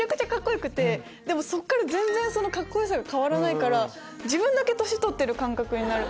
全然カッコ良さが変わらないから自分だけ年取ってる感覚になる。